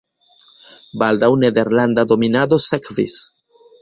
Baldaŭ nederlanda dominado sekvis.